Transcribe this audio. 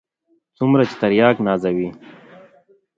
څومره چې ترياک نازوي.